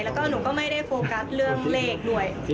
แล้วก็หนูก็ไม่ได้โฟกัสเรื่องเลขด้วย